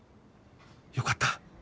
よかった。